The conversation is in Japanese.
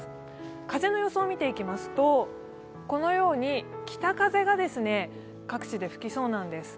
風の予想を見ていきますと、このように北風が各地で各地で吹きそうなんです。